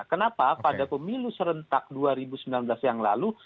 kenapa pada pemilu serentak dua ribu sembilan belas yang lalu